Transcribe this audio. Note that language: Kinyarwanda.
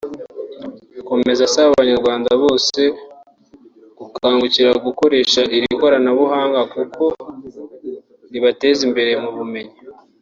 Akomeza asaba abanyarwanda bose gukangukira gukoresha iri koranabuhanga kuko ribateza imbere mu bumenyi